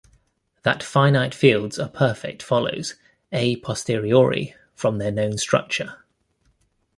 That finite fields are perfect follows "a posteriori" from their known structure.